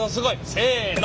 せの。